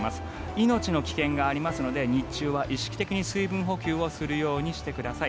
命の危険がありますので日中は意識的に水分補給をするようにしてください。